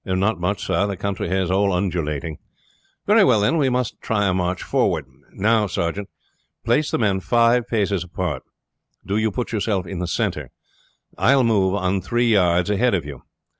"Not much sir. The country here is all undulating." "Very well, then, we must try a march forward. Now, sergeant, place the men five paces apart. Do you put yourself in the center. I will move on three yards ahead of you.